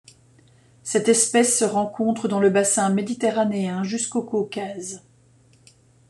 Cette espèce se rencontre dans le bassin méditerranéen jusqu'au Caucase.